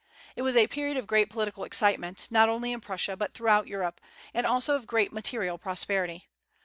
It was a period of great political excitement, not only in Prussia, but throughout Europe, and also of great material prosperity.